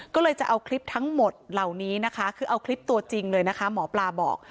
ก็เลยจะเอาคลิปทั้งหมดเหล่านี้นะคะคือเอาคลิปตัวจริงเลยนะคะหมอปลาบอก